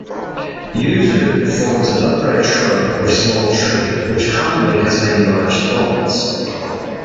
Yuzu forms an upright shrub or small tree, which commonly has many large thorns.